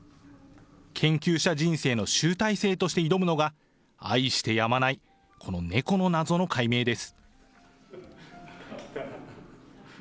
研究者人生の集大成として挑むのが、愛してやまない、この猫の謎の解明です。